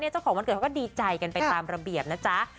เจ้าของวันเกิดเขาก็ดีใจกันไปตามระเบียบนะจ๊ะ